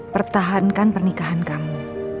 pertahankan pernikahan kamu